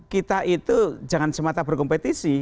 kita itu jangan semata berkompetisi